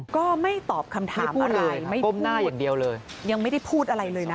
ก็ไม่ตอบคำถามอะไรยังไม่ได้พูดอะไรเลยน่ะ